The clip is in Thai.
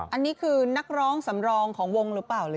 อันนี้คือนักร้องสำรองของวงหรือเปล่าหรือ